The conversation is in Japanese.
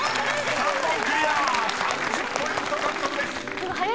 ３０ポイント獲得です］